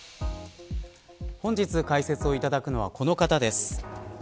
本日、解説いただくのはこの方です。